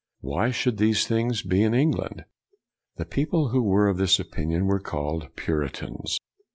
Why should these things be in England? The people who were of this opinion were called Puritans.